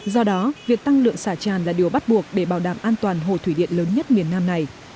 do đó việc tăng lượng xả tràn là điều bắt buộc để bảo đảm an toàn hồ thủy điện lớn nhất miền nam này